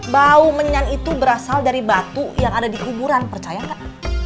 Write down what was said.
bau menyan itu berasal dari batu yang ada di kuburan percaya nggak